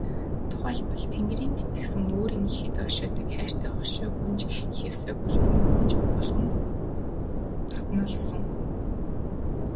Тухайлбал, Тэнгэрийн тэтгэсэн өөрийн ихэд ойшоодог хайртай хошой гүнж Хэсяог улсын гүнж болгон дотнолсон.